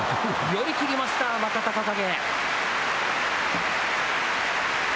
寄り切りました、若隆景。